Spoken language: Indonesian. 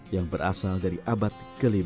yang berasal dari tantu panggelaran